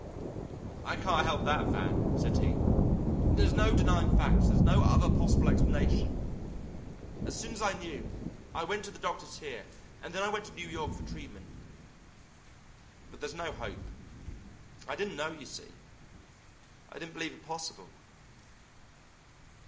"I can't help that, Van," said he. "There's no denying facts, there's no other possible explanation! As soon as I knew, I went to the doctors here, and then I went to New York for treatment, but there's no hope. I didn't know, you see. I didn't believe it possible.